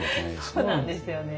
そうなんですよね。